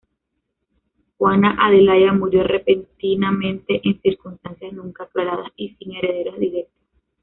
Juana-Adelaida murió repentinamente en circunstancias nunca aclaradas y sin herederos directos.